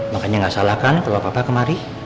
makanya nggak salah kan kalau papa kemari